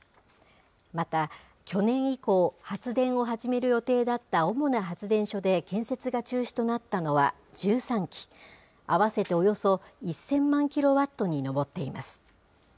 また、去年以降、発電を始める予定だった主な発電所で、建設が中止となったのは１３基、合わせておよそ１０００万キロワットに上っています。